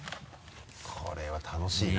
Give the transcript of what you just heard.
これは楽しいな。